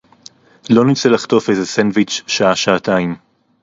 לא נצא לחטוף איזה סנדוויץ' שעה-שעתיים